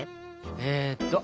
えっと。